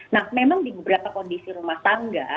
nah memang di beberapa kondisi rumah tangga